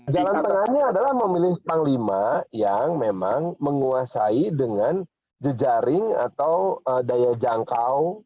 jalan tengahnya adalah memilih panglima yang memang menguasai dengan jejaring atau daya jangkau